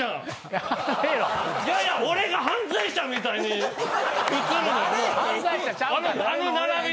いやいや俺が犯罪者みたいに映るのよ